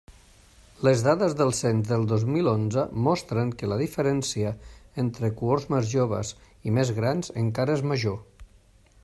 Les dades del cens del dos mil onze mostren que la diferència entre cohorts més joves i més grans encara és major.